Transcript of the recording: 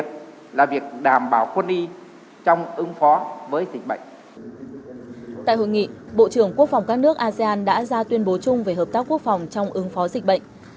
tại hội nghị bộ trưởng quốc phòng các nước asean đã ra tuyên bố chung về hợp tác quốc phòng trong ứng phó dịch bệnh